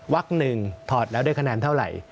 วักหนึ่งถอดแล้วได้คะแนนเท่าไหร่